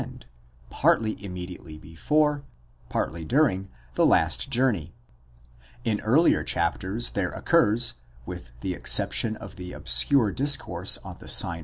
end, partly immediately before, partly during, the last journey ; in earlier chapters there occurs, with the exception of the obscure discourse on the sign.